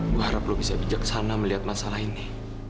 gue harap lu bisa bijaksana melihat masalah ini